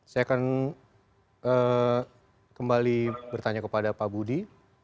saya akan kembali bertanya kepada pak budi